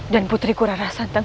dan putriku rara santang